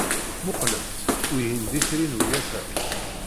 Mmuqqlemt, wihin d Itri n Ugafa.